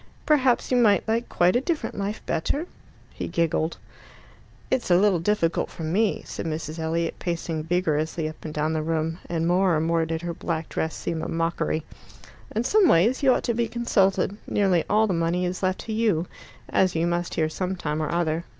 "Perhaps you might like quite a different life better?" He giggled. "It's a little difficult for me," said Mrs. Elliot, pacing vigorously up and down the room, and more and more did her black dress seem a mockery. "In some ways you ought to be consulted: nearly all the money is left to you, as you must hear some time or other.